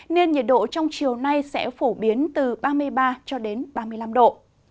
nên nhiệt độ trong chiều nay sẽ phổ biến từ ba mươi ba ba mươi năm độ